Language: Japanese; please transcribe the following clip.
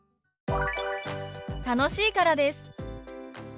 「楽しいからです」。